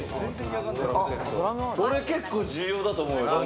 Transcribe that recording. これ結構重要だと思うよ。